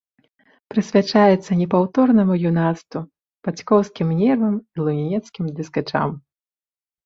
Прысвячаецца непаўторнаму юнацтву, бацькоўскім нервам і лунінецкім дыскачам!